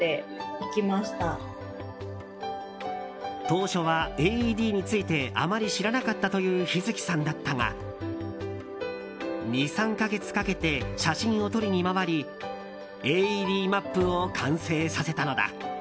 当初はＡＥＤについてあまり知らなかったという陽月さんだったが２３か月かけて写真を撮りに回りＡＥＤマップを完成させたのだ。